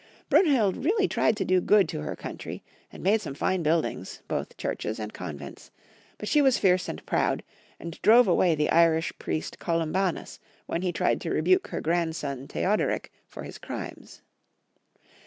Brunhild really tried to do good to her country, and made some fine buildings, both cliurches and convents ; but she was fierce and proud, and drove away the Irish priest Columbanus, wlien he tried to rebuke her grandson Theuderick for his crimes.